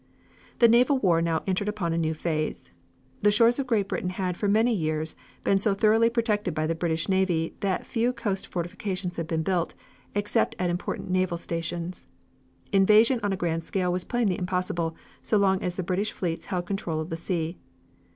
The naval war now entered upon a new phase. The shores of Great Britain had for many years been so thoroughly protected by the British navy that few coast fortifications had been built, except at important naval stations. Invasion on a grand scale was plainly impossible, so long as the British fleets held control of the sea.